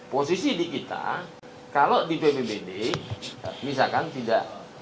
posisi di kita kalau di bpbd misalkan tidak